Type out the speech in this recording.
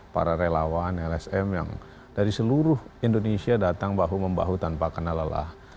para relawan lsm yang dari seluruh indonesia datang bahu membahu tanpa kena lelah